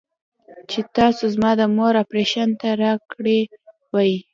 چې تاسو زما د مور اپرېشن ته راکړې وې.